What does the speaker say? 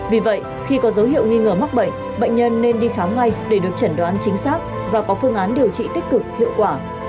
vì vậy khi có dấu hiệu nghi ngờ mắc bệnh bệnh nhân nên đi khám ngay để được chẩn đoán chính xác và có phương án điều trị tích cực hiệu quả